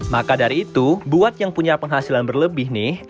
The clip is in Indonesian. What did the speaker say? maka dari itu buat yang punya penghasilan berlebih nih